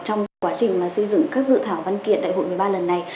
trong quá trình mà xây dựng các dự thảo văn kiện đại hội một mươi ba lần này